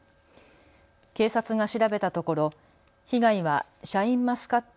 警察が調べたところ、被害はシャインマスカット